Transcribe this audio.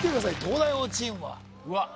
東大王チームはうわっ！